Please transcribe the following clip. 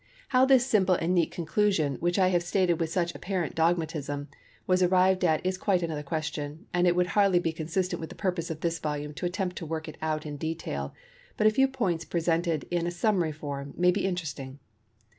How this simple and neat conclusion, which I have stated with such apparent dogmatism, was arrived at is quite another question, and it would hardly be consistent with the purpose of this volume to attempt to work it out in detail, but a few points presented in a summary form may be interesting.